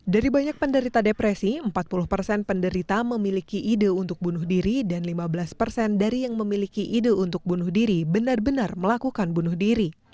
dari banyak penderita depresi empat puluh persen penderita memiliki ide untuk bunuh diri dan lima belas persen dari yang memiliki ide untuk bunuh diri benar benar melakukan bunuh diri